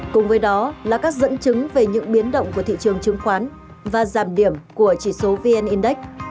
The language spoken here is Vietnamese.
cùng với đó là các dẫn chứng về những biến động của thị trường chứng khoán và giảm điểm của chỉ số vn index